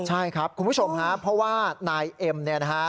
ใช่ครับคุณผู้ชมฮะเพราะว่านายเอ็มเนี่ยนะฮะ